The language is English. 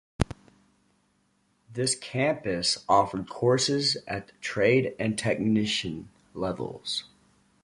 This campus offered courses at the trade and technician levels.